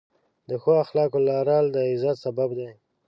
د ښو اخلاقو لرل، د عزت سبب دی.